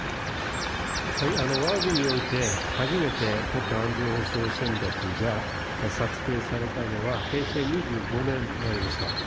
わが国において、初めて国家安全保障戦略が策定されたのは、平成２５年でありました。